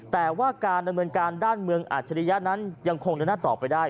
แต่ว่าการดำเนินการด้านเมืองอัจฉริยะนั้นยังคงเดินหน้าต่อไปได้